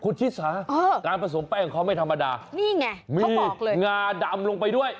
คุณชิสาการผสมแป้งของเขาไม่ธรรมดามีงาดำลงไปด้วยนี่ไงเขาบอกเลย